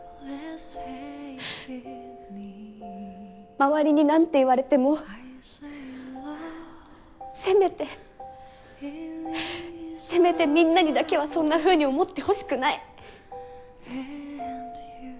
周りに何て言われてもせめてせめてみんなにだけはそんなふうに思ってほしくない。